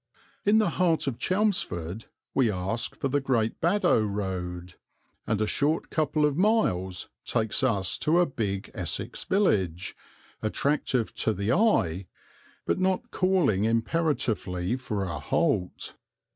In the heart of Chelmsford we ask for the Great Baddow road, and a short couple of miles takes us to a big Essex village, attractive to the eye, but not calling imperatively for a halt.